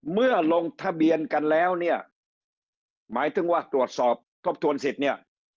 ลงทะเบียนกันแล้วเนี่ยหมายถึงว่าตรวจสอบทบทวนสิทธิ์เนี่ย